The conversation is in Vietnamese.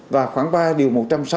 và khoảng ba điều một trăm sáu mươi sáu